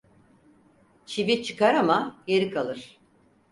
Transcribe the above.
Çivi çıkar ama yeri kalır.